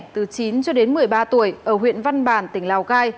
từ chín cho đến một mươi ba tuổi ở huyện văn động